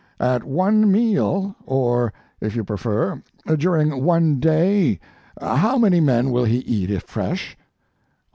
At one meal or, if you prefer, during one day how many men will he eat if fresh?"